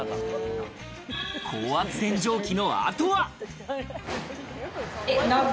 高圧洗浄機の後は。